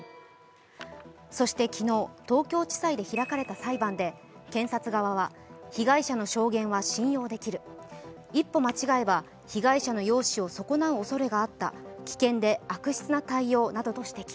そして昨日、東京地裁で開かれた裁判で検察側は被害者の証言は信用できる一歩間違えば被害者の容姿を損なうおそれがあった危険で悪質な対応と指摘。